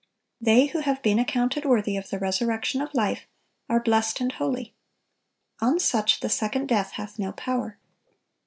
(957) They who have been "accounted worthy" of the resurrection of life, are "blessed and holy." "On such the second death hath no power."